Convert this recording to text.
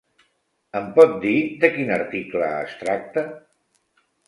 Em pot dir de quin article es tracta?